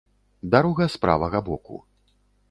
Дарога з правага боку.